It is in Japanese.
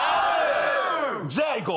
じゃいこう、